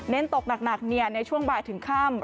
เน้นตกหนักเนียดในช่วงบ่ายถึงค่ำ